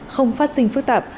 không phát sinh phức tạp